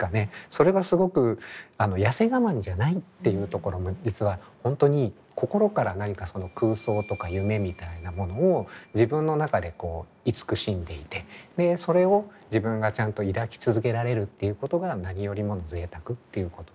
それがすごく痩せ我慢じゃないっていうところも実は本当に心から何かその空想とか夢みたいなものを自分の中でこういつくしんでいてそれを自分がちゃんと抱き続けられるっていうことが何よりもの贅沢っていうこと。